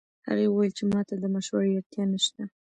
هغې وویل چې ما ته د مشورې اړتیا نه شته